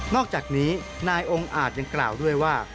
อกจากนี้นายองค์อาจยังกล่าวด้วยว่า